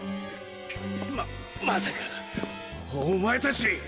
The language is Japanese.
ままさかお前たち。